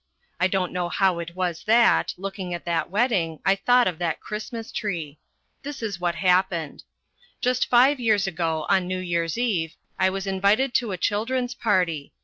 I don't know how it was that, looking at that wedding, I thought of that Christmas tree. This was what happened. Just five years ago, on New Year's Eve, I was invited to a children's party.